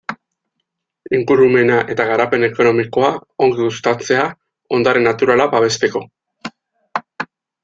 Ingurumena eta garapen ekonomikoa ongi uztatzea, ondare naturala babesteko.